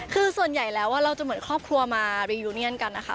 คือส่วนใหญ่แล้วเราจะเหมือนครอบครัวมารียูเนียนกันนะคะ